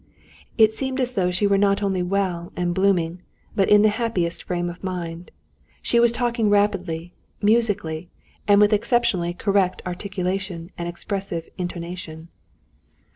It seemed as though she were not only well and blooming, but in the happiest frame of mind. She was talking rapidly, musically, and with exceptionally correct articulation and expressive intonation.